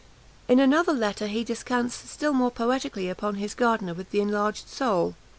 In another letter, he descants still more poetically upon his gardener with the enlarged soul.